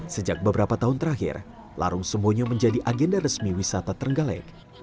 sejak beberapa tahun terakhir larang sembunyi menjadi agenda resmi wisata tregale